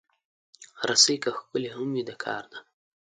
رسۍ که ښکلې هم وي، د کار ده.